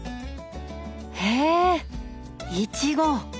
へえイチゴ！